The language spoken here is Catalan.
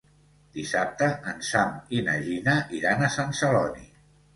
Dissabte en Sam i na Gina iran a Sant Celoni.